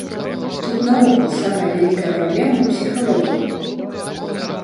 Тут наогул самая вялікая праблема у псіхалогіі.